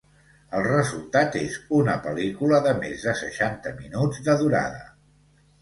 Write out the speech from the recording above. El resultat és una pel·lícula de més de seixanta minuts de durada.